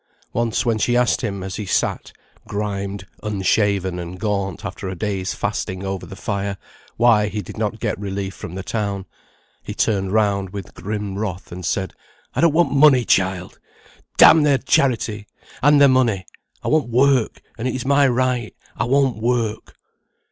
Once when she asked him as he sat, grimed, unshaven, and gaunt, after a day's fasting over the fire, why he did not get relief from the town, he turned round, with grim wrath, and said, "I don't want money, child! D n their charity and their money! I want work, and it is my right. I want work."